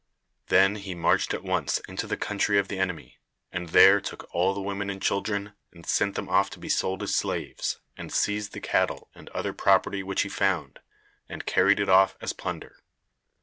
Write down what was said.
Then he marched at once into the country of the enemy, and there took all the women and children, and sent them off to be sold as slaves, and seized the cattle and other property which he found, and carried it off as plunder.